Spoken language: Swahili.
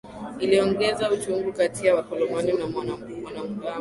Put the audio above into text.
iliongeza uchungu kati ya wakoloni na wanamgambo